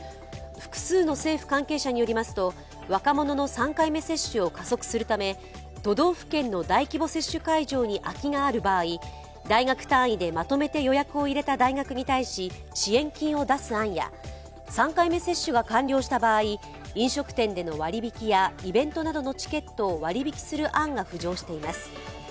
複数の政府関係者によりますと若者の３回目接種を加速するため都道府県の大規模接種会場に空きがある場合、大学単位でまとめて予約を入れた大学に対し支援金を出す案や、３回目接種が完了した場合、飲食店での割引やイベントなどのチケットを割引する案が浮上しています。